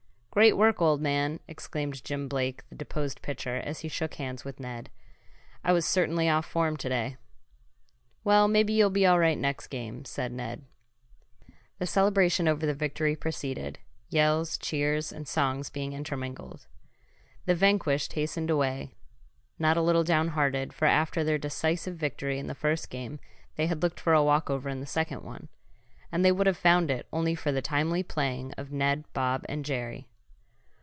"Great work, old man!" exclaimed Jim Blake, the deposed pitcher, as he shook hands with Ned. "I was certainly off form to day." "Well, maybe you'll be all right next time," said Ned. The celebration over the victory proceeded, yells, cheers and songs being intermingled. The vanquished hastened away, not a little down hearted, for after their decisive victory in the first game they had looked for a walkover in the second one. And they would have found it only for the timely playing of Ned, Bob and Jerry.